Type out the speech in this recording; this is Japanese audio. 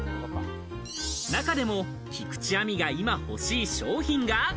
中でも菊地亜美が今欲しい商品が。